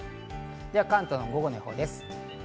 では関東の午後の予報です。